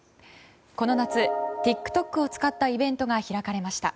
この夏、ＴｉｋＴｏｋを使ったイベントが開かれました。